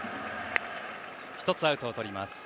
１つアウトをとりました。